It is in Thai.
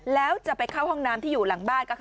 แล้วจะไปเข้าห้องน้ำที่อยู่หลังบ้าน